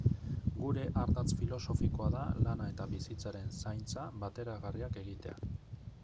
Gure ardatz filosofikoa da lana eta bizitzaren zaintza bateragarriak egitea.